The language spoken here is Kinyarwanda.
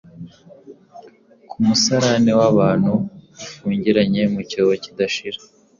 ku musarane w’abantu bifungiranye mu cyobo kidashobora